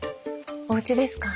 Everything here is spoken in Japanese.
おうちですか？